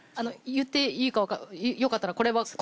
言っていいかよかったらこれは。